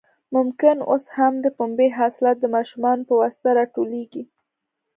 ممکن اوس هم د پنبې حاصلات د ماشومانو په واسطه راټولېږي.